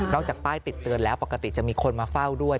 จากป้ายติดเตือนแล้วปกติจะมีคนมาเฝ้าด้วย